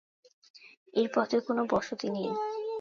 এর পথে কোন বসতি নেই।